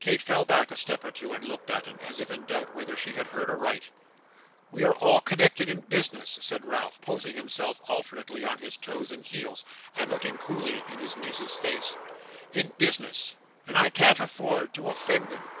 Kate fell back a step or two, and looked at him, as if in doubt whether she had heard aright. 'We are connected in business,' said Ralph, poising himself alternately on his toes and heels, and looking coolly in his niece's face, 'in business, and I can't afford to offend them.